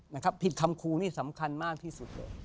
นี่คิดคำคูนี่สำคัญมากที่สุดเลย